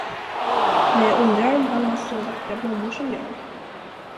Men jag undrar om han har så vackra blommor som jag!